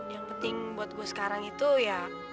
yang penting buat gue sekarang itu ya